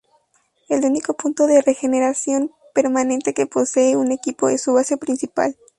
El único punto de regeneración permanente que posee un equipo es su base principal.